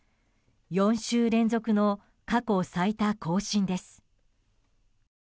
４週連続の過去最多更新です。